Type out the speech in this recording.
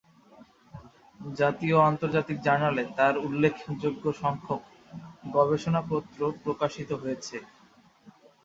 জাতীয় ও আন্তর্জাতিক জার্নালে তার উল্লেখযোগ্য সংখ্যক গবেষণাপত্র প্রকাশিত হয়েছে।